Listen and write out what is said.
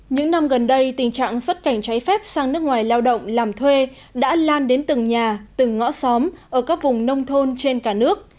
những năm gần đây tình trạng xuất cảnh trái phép sang nước ngoài lao động làm thuê đã lan đến từng nhà từng ngõ xóm ở các vùng nông thôn trên cả nước